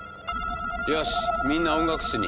よしみんな音楽室に。